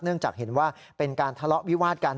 จากเห็นว่าเป็นการทะเลาะวิวาดกัน